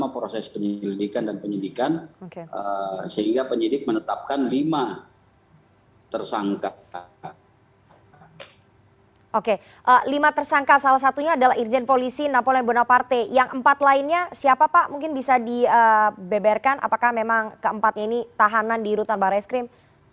polisi napoleon bonaparte yang empat lainnya siapa pak mungkin bisa dibeberkan apakah memang keempatnya ini tahanan di rutan bareskrim